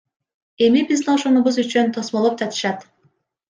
Эми бизди ошонубуз үчүн тосмолоп жатышат.